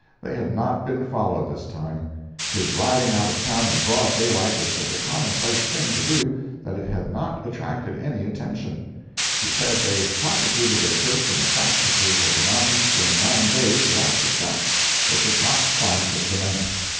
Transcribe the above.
They had not been followed this time. His riding out of town in broad daylight was such a common place thing to do that it had not attracted any attention. He said they prosecuted their search in the fastnesses of the mountains during nine days, without success; they could not find the cement.